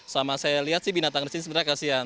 sama saya lihat sih binatang di sini sebenarnya kasian